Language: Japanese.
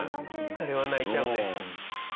あれは泣いちゃうね。